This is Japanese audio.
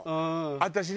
私ね